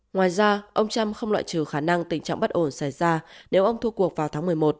ngoài ra ông trump không loại trừ khả năng tình trạng bất ổn xảy ra nếu ông thu cuộc vào tháng một mươi một